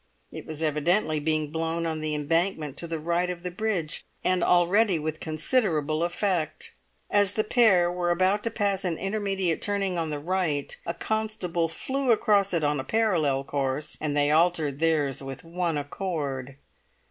It was evidently being blown on the Embankment to the right of the bridge, and already with considerable effect. As the pair were about to pass an intermediate turning on the right, a constable flew across it on a parallel course, and they altered theirs with one accord.